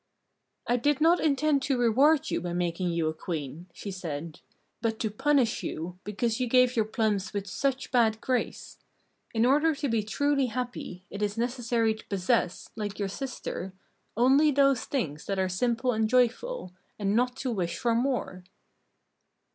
"I did not intend to reward you by making you a Queen," she said, "but to punish you because you gave your plums with such bad grace. In order to be truly happy it is necessary to possess, like your sister, only those things that are simple and joyful, and not to wish for more."